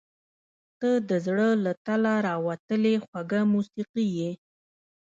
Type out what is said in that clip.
• ته د زړه له تله راوتلې خوږه موسیقي یې.